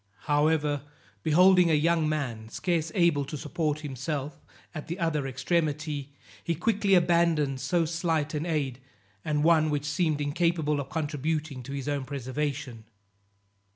However, beholding a young man scarce able to support himself at the other extremity, he quickly abandoned so slight an aid, and one which seemed incapable of contributing to his preservation.